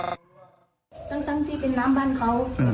ทั้งที่เป็นน้ำบ้านเขา